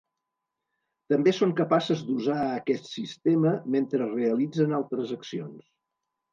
També són capaces d'usar aquest sistema mentre realitzen altres accions.